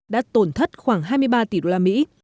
đã tổn thất khoảng hai mươi ba tỷ đô la mỹ